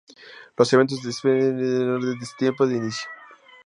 Los eventos deben disponerse en el orden de sus tiempos de inicio.